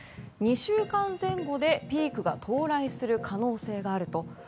２週間前後でピークが到来する可能性があると。